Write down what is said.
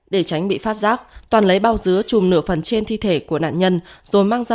để tránh bị phát giác toàn lấy bao dứa chùm nửa phần trên thi thể của nạn nhân rồi mang ra